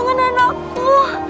aku gak mau kehilangan anakku